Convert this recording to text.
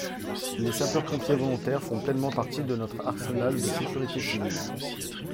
Les sapeurs-pompiers volontaires font pleinement partie de notre arsenal de sécurité civile.